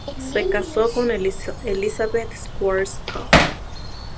Se casó con Elisabeth Schwarzkopf.